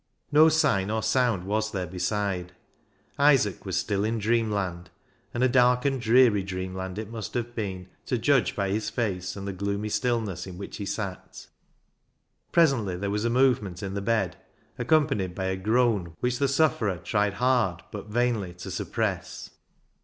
No sign or sound was there beside. Isaac was still in dreamland, and a dark and dreary dreamland it must have been, to judge by his face and the gloomy stillness in which he sat. Presently there was a movement in the bed, accompanied by a groan which the sufferer tried hard but vainly to suppress.